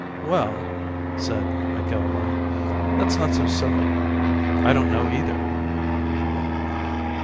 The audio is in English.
"Well," said McIlroy, "that's not so silly. I don't know either."